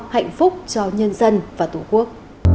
hạnh phúc cho nhân dân và tổ quốc